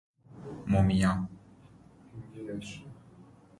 مومیا